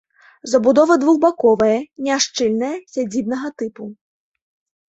Забудова двухбаковая, няшчыльная, сядзібнага тыпу.